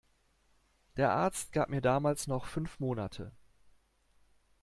Der Arzt gab mir damals noch fünf Monate.